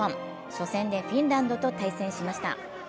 初戦でフィンランドと対戦しました。